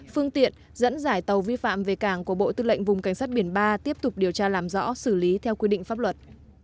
phương tiện dẫn dải tàu vi phạm về cảng của bộ tư lệnh vùng cảnh sát biển ba tiếp tục điều tra làm rõ xử lý theo quy định pháp luật